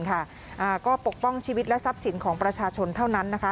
ก็ปกป้องชีวิตและทรัพย์สินของประชาชนเท่านั้นนะคะ